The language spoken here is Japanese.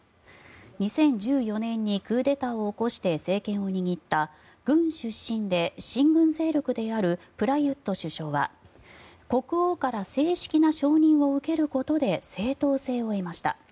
２０１４年にクーデターを起こして政権を握った軍出身で親軍勢力であるプラユット首相は国王から正式な承認を受けることで正当性を得ました。